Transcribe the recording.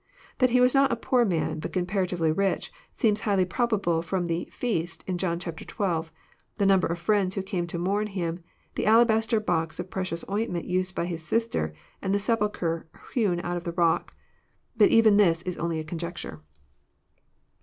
That he was not a poor man, but comparatively rich, seems highly probable Arom the " feast *' in John xii., the number of Mends who came to mourn him, the alabaster box of precious ointment used by his sister, and the sepulchre hewn out of rock. But even this is only a conjecture.